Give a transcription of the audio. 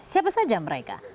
siapa saja mereka